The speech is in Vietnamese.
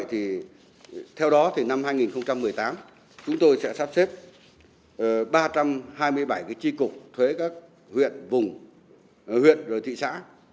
theo đó năm hai nghìn một mươi tám chúng tôi sẽ sắp xếp ba trăm hai mươi bảy chi cục thuế các huyện vùng huyện thị xã